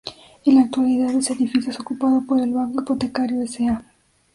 En la actualidad ese edificio es ocupado por el Banco Hipotecario S. A..